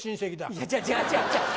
いや、違う違う違う。